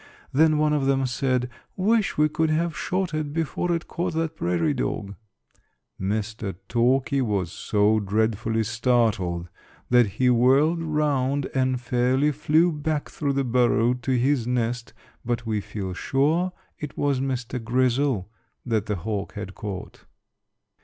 Then one of them said, 'Wish we could have shot it before it caught that prairie dog.' Mr. Talky was so dreadfully startled that he whirled round and fairly flew back through the burrow to his nest, but we feel sure it was Mr. Grizzle that the hawk had caught."